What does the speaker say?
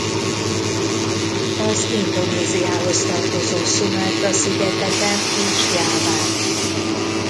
Az Indonéziához tartozó Szumátra szigeteken és Jáván.